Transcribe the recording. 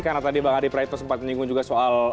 karena tadi bang hadi praito sempat menyinggung juga soal